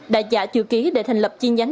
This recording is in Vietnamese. đã giả chữ ký để thành lập chi nhánh